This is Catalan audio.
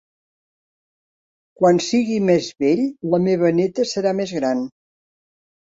Quan sigui més vell, la meva neta serà més gran.